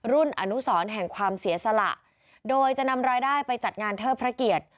รุ่นอนุสรแห่งความเสียสละโดยจะนำรายได้ไปจัดงานเทิดพระเกียรติ